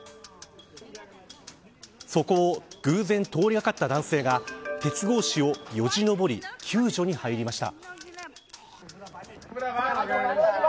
そこを偶然通りかかった男性が鉄格子をよじ登り救助に入りました。